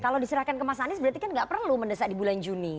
kalau diserahkan ke mas anies berarti kan nggak perlu mendesak di bulan juni